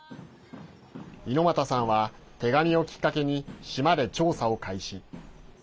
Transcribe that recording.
猪俣さんは、手紙をきっかけに島で調査を開始。